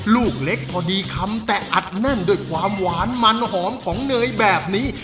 ลูกเล็กพอดีคำแตะอัดแน่นด้วยความหวานมันหอมของเนยแบบนี้